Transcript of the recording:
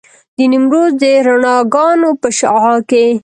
د نیمروز د رڼاګانو په شعاع کې.